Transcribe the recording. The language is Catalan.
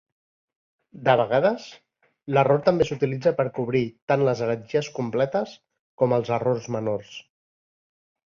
De vegades, l'error també s'utilitza per cobrir tant les heretgies completes com els errors menors.